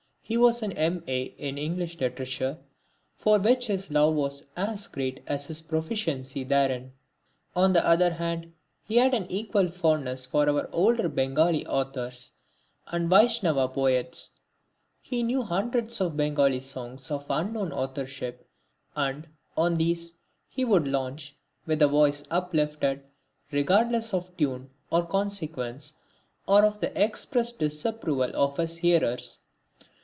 He was an M. A. in English Literature for which his love was as great as his proficiency therein. On the other hand he had an equal fondness for our older Bengali authors and Vaishnava Poets. He knew hundreds of Bengali songs of unknown authorship, and on these he would launch, with voice uplifted, regardless of tune, or consequence, or of the express disapproval of his hearers.